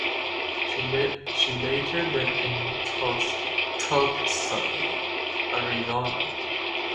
She later lived in Tucson, Arizona.